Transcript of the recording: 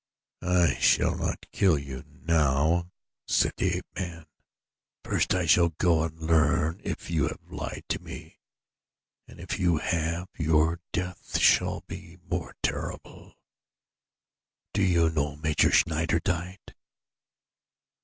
"I shall not kill you now," said the ape man. "First I shall go and learn if you have lied to me and if you have your death shall be the more terrible. Do you know how Major Schneider died?"